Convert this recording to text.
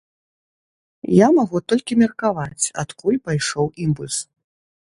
Я магу толькі меркаваць, адкуль пайшоў імпульс.